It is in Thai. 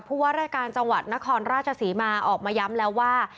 ว่ารายการจังหวัดนครราชศรีมาออกมาย้ำแล้วว่า